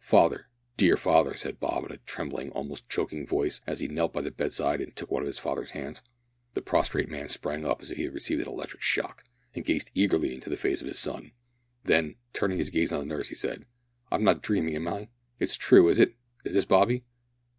"Father, dear father," said Bob, in a trembling, almost choking voice, as he knelt by the bedside and took one of his father's hands. The prostrate man sprang up as if he had received an electric shock, and gazed eagerly into the face of his son. Then, turning his gaze on the nurse, he said "I'm not dreaming, am I? It's true, is it? Is this Bobby?"